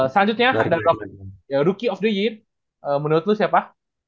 selanjutnya rookie of the year menurut lu siapa